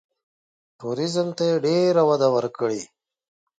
ټوریزم ته یې ډېره وده ورکړې.